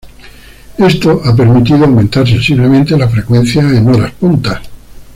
Esto ha permitido aumentar sensiblemente la frecuencia en horas puntas.